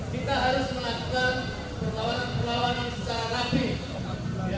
kita harus melakukan perlawanan secara rapih